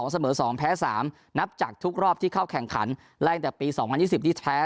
เสมอ๒แพ้๓นับจากทุกรอบที่เข้าแข่งขันไล่ตั้งแต่ปี๒๐๒๐ที่แพ้